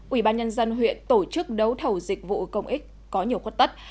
ủy ban nhân dân huyện tổ chức đấu thầu dịch vụ công ích có nhiều khuất tất